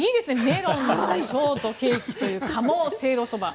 メロンのショートケーキという鴨せいろそば。